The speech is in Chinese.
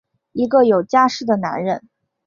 一个有家室的男人！